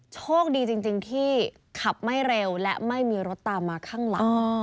โชคดีจริงที่ขับไม่เร็วและไม่มีรถตามมาข้างหลัง